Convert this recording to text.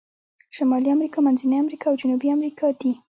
شمالي امریکا، منځنۍ امریکا او جنوبي امریکا دي.